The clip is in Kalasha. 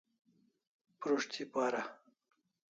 Prus't thi para